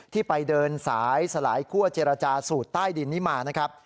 ที่ไปเดินสายสลายคั่วเจรจาสูตรใต้ดินนี้มานะครับ